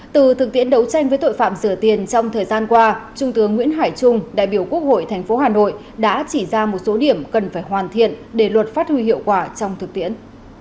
từ thực tiễn đấu tranh với tội phạm sửa tiền trong thời gian qua trung tướng nguyễn hải trung đại biểu quốc hội tp hà nội đã chỉ ra một số điểm cần phải hoàn thiện để luật phát huy hiệu quả trong thực tiễn